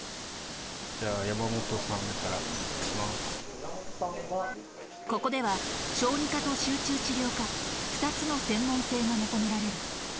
じゃあ、ここでは、小児科と集中治療科、２つの専門性が求められる。